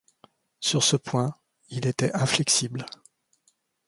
Sur ce point, il était inflexible.